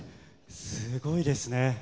すごいですね。